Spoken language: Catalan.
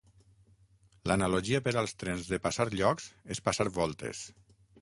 L'analogia per als trens de passar llocs és passar voltes.